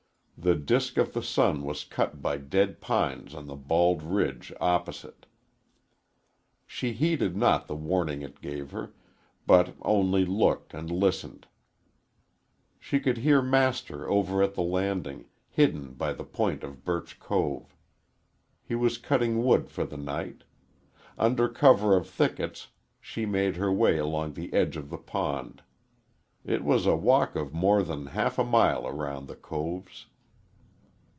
The disk of the sun was cut by dead pines on the bald ridge opposite. She heeded not the warning it gave her, but only looked and listened. She could hear Master over at the landing, hidden by the point of Birch Cove. He was cutting wood for the night. Under cover of thickets, she made her way along the edge of the pond. It was a walk of more than half a mile around the coves.